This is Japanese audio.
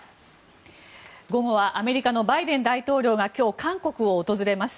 午後はアメリカのバイデン大統領が今日、韓国を訪れます。